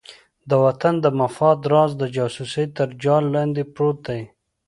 د وطن د مفاد راز د جاسوسۍ تر جال لاندې پروت دی.